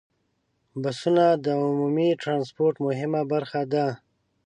بسونه د عمومي ټرانسپورت مهمه برخه ده.